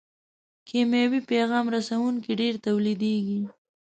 کیمیاوي پیغام رسوونکي ډېر تولیدیږي.